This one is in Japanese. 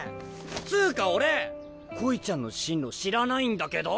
つぅか俺恋ちゃんの進路知らないんだけど！